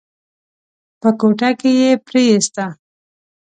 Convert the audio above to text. په کوټه کې يې پريېسته.